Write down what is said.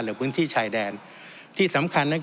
หรือพื้นที่ชัยแดนที่สำคัญนั้นคือ